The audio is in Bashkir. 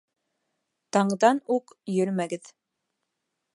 — Таңдан уҡ йөрөмәгеҙ.